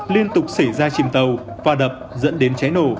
liên tục xảy ra chìm tàu pha đập dẫn đến trái nổ